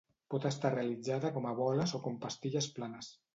Pot estar realitzada com a boles o com pastilles planes.